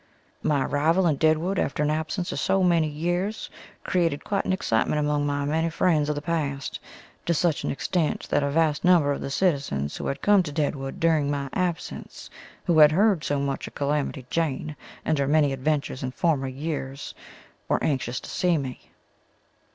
My arrival in Deadwood after an absence of so many years created quite an excitement among my many friends of the past, to such an extent that a vast number of the citizens who had come to Deadwood during my absence who had heard so much of Calamity Jane and her many adventures in former years were anxious to see me.